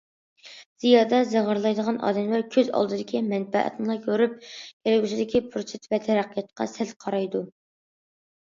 زىيادە زىغىرلايدىغان ئادەملەر كۆز ئالدىدىكى مەنپەئەتنىلا كۆرۈپ، كەلگۈسىدىكى پۇرسەت ۋە تەرەققىياتقا سەل قارايدۇ.